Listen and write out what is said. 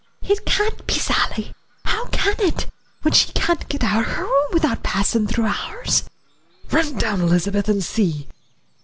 "It can't be Sally how can it, when she can't get out o' her room wi'out passin' through ours?" "Run down, Elizabeth, and see."